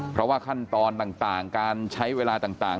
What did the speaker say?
เพราะว่าขั้นตอนต่างการใช้เวลาต่าง